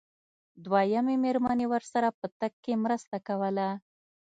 دويمې مېرمنې ورسره په تګ کې مرسته کوله.